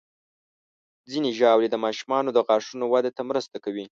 ځینې ژاولې د ماشومانو د غاښونو وده ته مرسته کوي.